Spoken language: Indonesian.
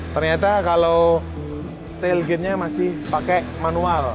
ternyata kalo tailgatenya masih pake manual